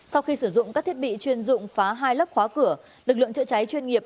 sau khi sử dụng các thiết bị chuyên dụng phá hai lớp khóa cửa lực lượng chữa cháy chuyên nghiệp